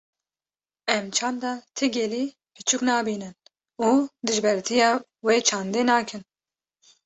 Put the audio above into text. Em çanda ti gelî piçûk nebînin û dijbertiya wê çandê nekin.